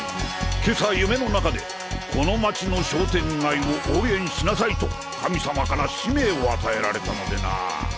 今朝夢の中で「この街の商店街を応援しなさい」と神様から使命を与えられたのでな。